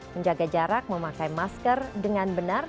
menjaga jarak memakai masker dengan benar